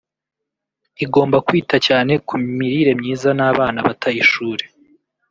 igomba kwita cyane ku mirire myiza n’ abana bata ishuri